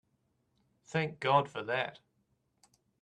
Thank God for that!